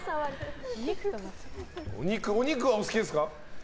お肉はお好きですか？